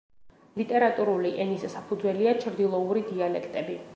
ლიტერატურული ენის საფუძველია ჩრდილოური დიალექტები.